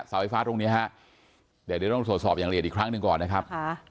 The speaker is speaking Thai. เสาไฟฟ้าตรงนี้ฮะเดี๋ยวต้องตรวจสอบอย่างละเอียดอีกครั้งหนึ่งก่อนนะครับ